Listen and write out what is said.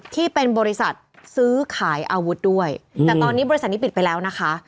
ที่เป็นบริษัทซื้อขายอาวุธด้วยแต่ตอนนี้บริษัทนี้ปิดไปแล้วนะคะ